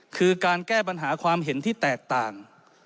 คือการแก้ปัญหาความเห็นที่แตกต่าง